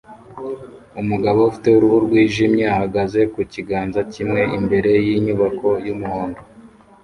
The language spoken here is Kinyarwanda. Umugabo ufite uruhu rwijimye ahagaze ku kiganza kimwe imbere yinyubako yumuhondo